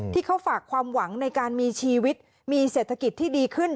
ที่เขาฝากความหวังในการมีชีวิตมีเศรษฐกิจที่ดีขึ้น